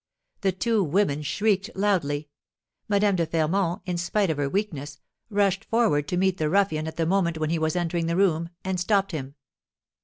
The two women shrieked loudly; Madame de Fermont, in spite of her weakness, rushed forward to meet the ruffian at the moment when he was entering the room, and stopped him.